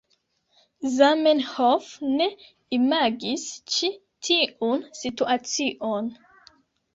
Zamenhof ne imagis ĉi tiun situacion